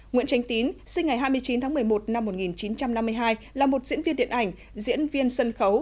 nguyễn tránh tín sinh ngày hai mươi chín tháng một mươi một năm một nghìn chín trăm năm mươi hai là một diễn viên điện ảnh diễn viên sân khấu